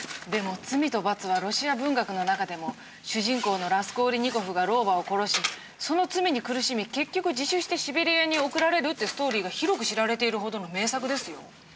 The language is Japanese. でも「罪と罰」はロシア文学の中でも主人公のラスコーリニコフが老婆を殺しその罪に苦しみ結局自首してシベリアに送られるってストーリーが広く知られているほどの名作ですよ？